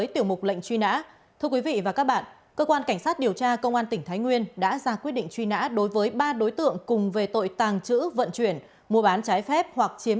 tiếp theo bản tin là thông tin về chuyên ả tội phạm